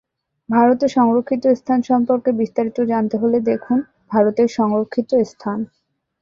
ভারতে সংরক্ষিত স্থান সম্পর্কে বিস্তারিত জানতে হলে দেখুন: ভারতের সংরক্ষিত স্থান।